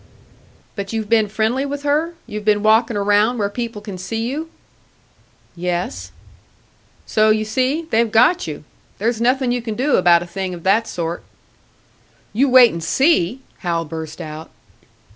"But you've been friendly with her? You've been walking around where people can see you?" "Yes." "So you see, they've got you. There's nothing you can do about a thing of that sort." "You wait and see!" Hal burst out.